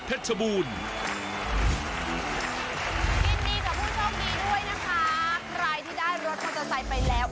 เพชรชบูรณ์ยินดีกว่าผู้ชมดีด้วยนะคะใครที่ได้รถมอเตอร์ไซค์ไปแล้ว